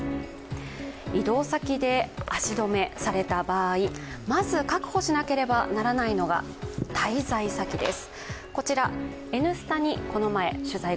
移動先で足止めされた場合まず確保しなければならないのが滞在先です。